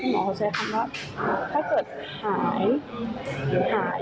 หมอเขาใช้คำว่าถ้าเกิดหายหรือหาย